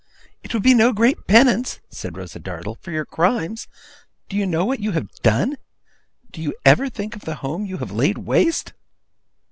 'It would be no great penance,' said Rosa Dartle, 'for your crimes. Do you know what you have done? Do you ever think of the home you have laid waste?